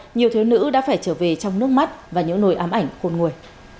nhiều thiếu nữ đã phải trở về trong nước mắt và những nồi ám ảnh khôn nguồi